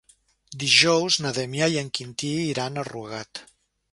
Dijous na Damià i en Quintí iran a Rugat.